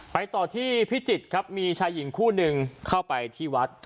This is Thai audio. ต่อที่พิจิตรครับมีชายหญิงคู่หนึ่งเข้าไปที่วัด